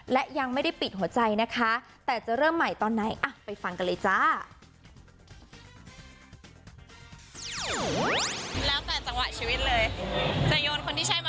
และยังไม่ได้ปิดหัวใจนะคะแต่จะเริ่มใหม่ตอนไหนไปฟังกันเลยจ้า